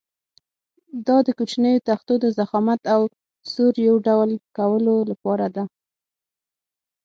دا د کوچنیو تختو د ضخامت او سور یو ډول کولو لپاره ده.